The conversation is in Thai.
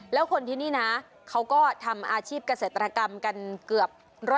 แล้วคนที่นี่นะเขาก็ทำอาชีพเกษตรกรรมกันเกือบ๑๐๐